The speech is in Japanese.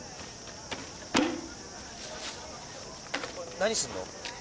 何すんの？